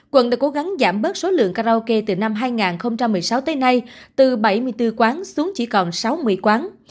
quận đã cố gắng giảm bớt số lượng karaoke từ năm hai nghìn một mươi sáu tới nay từ bảy mươi bốn quán xuống chỉ còn sáu mươi quán